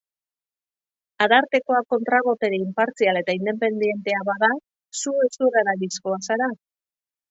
Arartekoa kontra-botere inpartzial eta independentea bada, zu hezur-haragizkoa zara?